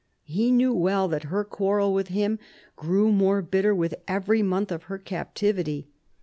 He knew well that her quarrel with him grew more bitter with every month of her captivity.